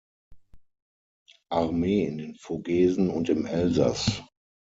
Armee in den Vogesen und im Elsass.